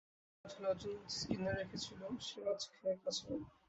তোর জন্যে আজ লজঞ্জুস কিনে রেখেছিলুম, সেও আজ খেয়ে কাজ নেই।